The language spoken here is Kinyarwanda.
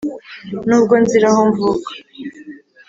N’ubwo nzira aho mvuka